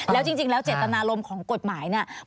แล้วจริงแล้วเจตนารมณ์ของกฎหมายเนี่ย